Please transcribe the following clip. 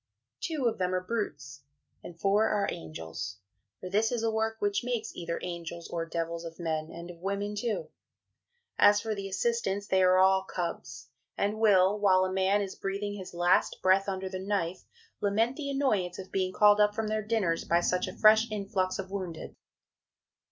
Two of them are brutes, and four are angels for this is a work which makes either angels or devils of men and of women too. As for the assistants, they are all Cubs, and will, while a man is breathing his last breath under the knife, lament the "annoyance of being called up from their dinners by such a fresh influx of wounded"!